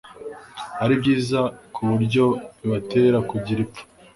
ari byiza ku buryo bibatera kugira ipfa